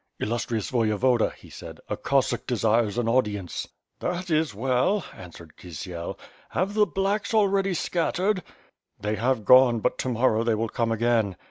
^T^llustrious Voyevoda," he said, "a Cossack desires an aud ience." "That is well," answered Kisiel, *Tiave the ^blacks' already scattered?*' "They have gone, but to morow they will come again."